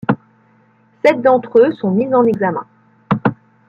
Sept d'entre eux sont mis en examen.